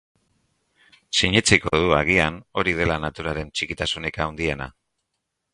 Sinetsiko du, agian, hori dela naturaren txikitasunik handiena.